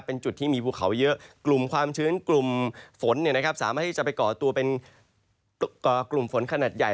เป็นจุดที่มีภูเขาเยอะกลุ่มความชื้นกลุ่มฝนสามารถที่จะไปก่อตัวเป็นกลุ่มฝนขนาดใหญ่